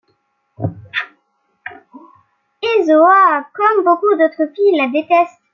Ezoah, comme beaucoup d'autres filles, la déteste.